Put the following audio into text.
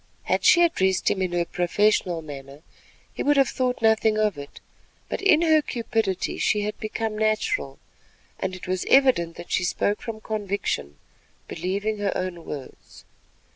Had she addressed him in her professional manner, he would have thought nothing of it; but in her cupidity she had become natural, and it was evident that she spoke from conviction, believing her own words.